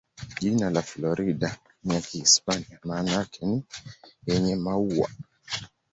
Jina la Florida ni ya Kihispania, maana yake ni "yenye maua".